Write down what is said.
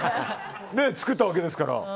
作ったわけですから。